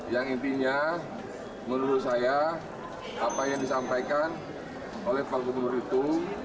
yang intinya menurut saya apa yang disampaikan oleh pak gubernur itu